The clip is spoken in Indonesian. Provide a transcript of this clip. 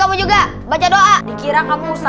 sudah siap mas